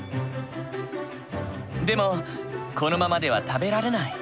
でもこのままでは食べられない。